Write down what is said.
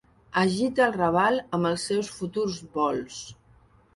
Agita el raval amb els seus futurs vols.